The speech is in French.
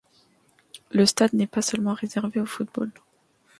Le stade n'est pas seulement réservé au football.